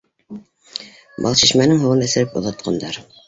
Балшишмәнең һыуын эсереп оҙатҡандар